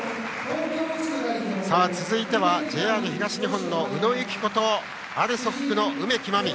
続いてはＪＲ東日本の宇野友紀子とＡＬＳＯＫの梅木真美。